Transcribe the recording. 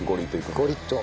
ゴリッと。